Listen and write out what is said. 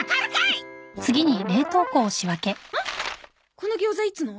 この餃子いつの？